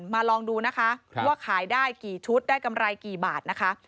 ลองดูนะคะว่าขายได้กี่ชุดได้กำไรกี่บาทนะคะ